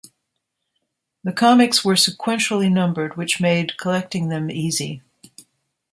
The comics were sequentially numbered which made collecting them easy.